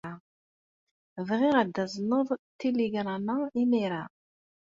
Bɣiɣ ad tazneḍ itiligṛam-a imir-a.